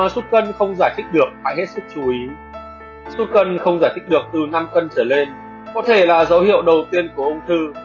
sốt cân không giải thích được từ năm cân trở lên có thể là dấu hiệu đầu tiên của ung thư